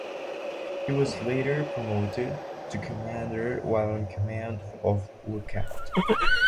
He was later promoted to commander while in command of "Lookout".